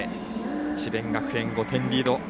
智弁学園、５点リード。